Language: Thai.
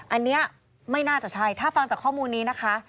อันนี้ไม่น่าจะใช่ถ้าฟังจากข้อมูลนี้นะคะ